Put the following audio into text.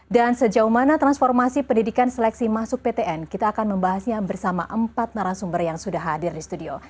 dan sejauh mana transformasi pendidikan seleksi masuk ptn kita akan membahasnya bersama empat narasumber yang sudah hadir di studio